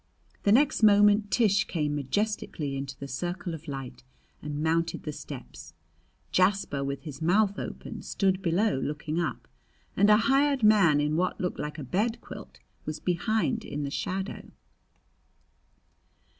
The next moment Tish came majestically into the circle of light and mounted the steps. Jasper, with his mouth open, stood below looking up, and a hired man in what looked like a bed quilt was behind in the shadow.